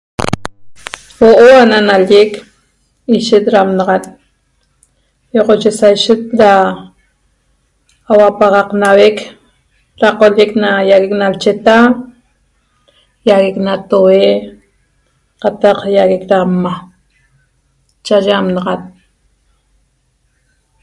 Huoo ana nalleq ischet na anaxat yoxot sheishet da hua ana paxaqteguet Da colleq iagueq na ncheta, nahigueq na tohie, cataq hiagueq da amaa ishet da chaye anaxat